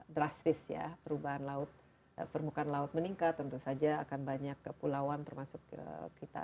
drastis ya perubahan laut permukaan laut meningkat tentu saja akan banyak kepulauan termasuk kita